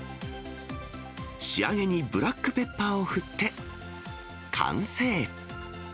仕上げにブラックペッパーを振って、完成。